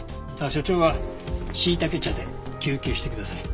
所長はしいたけ茶で休憩してください。